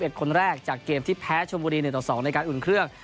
คนแรกจากเกมที่แพ้ชมบุรี๑ต่อ๒ในการอุ่นเครื่อง